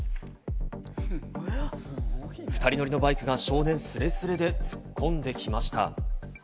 ２人乗りのバイクが少年すれすれで突っ込んできました。